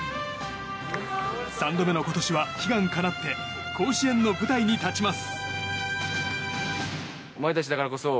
３度目の今年は、悲願かなって甲子園の舞台に立ちます。